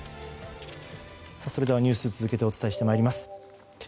それではニュースを続けてお伝えしてまいります。